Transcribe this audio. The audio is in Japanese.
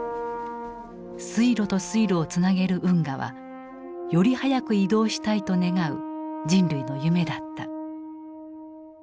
水路と水路をつなげる運河は「より早く移動したい」と願う人類の夢だった。